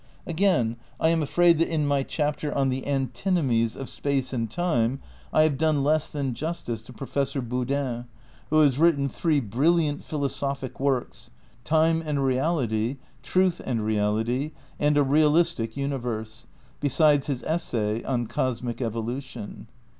Again, I am afraid that in my chapter on The Antinomies of Space and Time, I have done less than justice to Professor Boodin who has written three bril liant philosophic works : Time and Reality; Truth and Reality and A Realistic Universe; besides his essay on Cosmic Evolution.